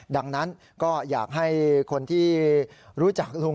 ดังนั้นก็อยากให้คนที่รู้จักลุง